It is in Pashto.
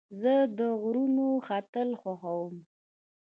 زه د غرونو ختل خوښوم.